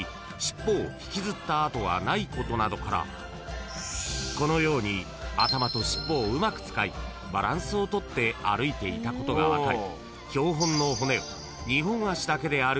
［ことなどからこのように頭と尻尾をうまく使いバランスを取って歩いていたことが分かり］